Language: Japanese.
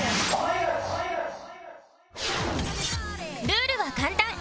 ルールは簡単